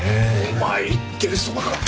お前言ってるそばから。